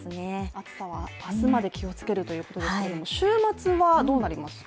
暑さは明日まで気をつけるということでしたけれども週末はどうなりますか？